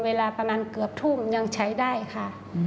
เวลาประมาณเกือบทุ่มยังใช้ได้ค่ะ